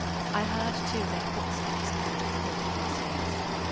I heard, too, their footsteps come to a halt for a space.